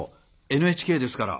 ＮＨＫですから。